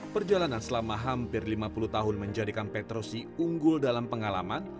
perjalanan selama hampir lima puluh tahun menjadikan petrosi unggul dalam pengalaman